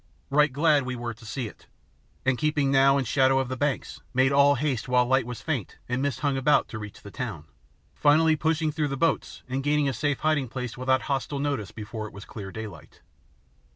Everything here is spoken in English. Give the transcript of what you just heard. Right glad we were to see it, and keeping now in shadow of the banks, made all haste while light was faint and mist hung about to reach the town, finally pushing through the boats and gaining a safe hiding place without hostile notice before it was clear daylight.